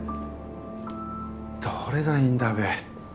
どれがいいんだべ。